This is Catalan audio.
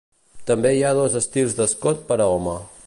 També hi ha dos estils d'escot per a home.